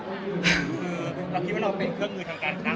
คือเราคิดว่าเราเป็นเครื่องมือทางการค้า